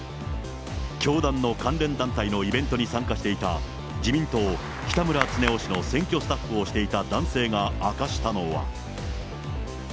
教団の関連団体のイベントに参加していた自民党、北村経夫氏の選挙スタッフをしていた男性が明かしたのは。